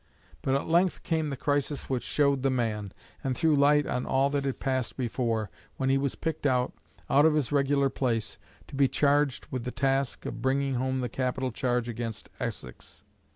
But at length came the crisis which showed the man, and threw light on all that had passed before, when he was picked out, out of his regular place, to be charged with the task of bringing home the capital charge against Essex.